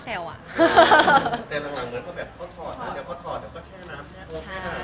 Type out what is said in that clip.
แฟนคลับของคุณไม่ควรเราอะไรไง